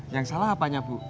yang salah apanya bu